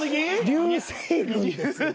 「流星群」ですよ。